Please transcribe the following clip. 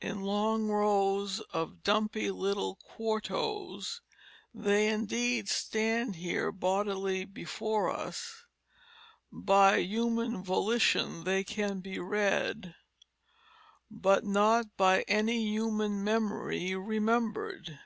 In long rows of dumpy little quartos they indeed stand here bodily before us; by human volition they can be read, but not by any human memory remembered.